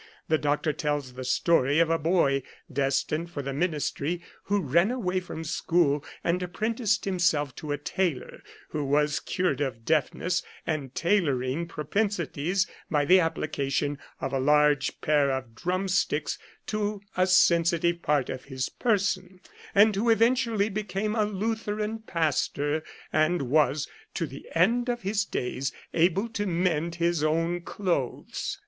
The doctor tells the story of a boy destined for the ministry who ran away from school and apprenticed himself to a tailor, and who was cured of deafness and tailoring propensities by the applica tion of a large pair of drumsticks to a sensitive part of his person, and who eventually became a Lutheran pastor, and was, to the end of his days, able to mend his own clothes.